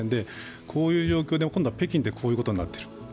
こういう状況で今度は北京でこういうことになっている。